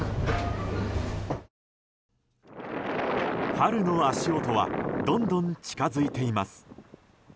春の足音はどんどん近づいています。